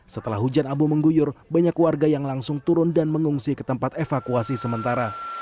setelah hujan abu mengguyur banyak warga yang langsung turun dan mengungsi ke tempat evakuasi sementara